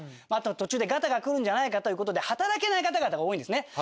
まああとは途中でガタがくるんじゃないかという事で働けない方々が多いんですね。